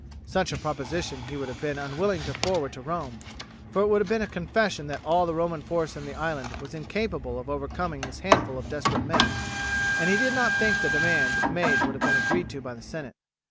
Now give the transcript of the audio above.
Such a proposition he would have been unwilling to forward to Rome, for it would have been a confession that all the Roman force in the island was incapable of overcoming this handful of desperate men, and he did not think that the demand if made would have been agreed to by the senate.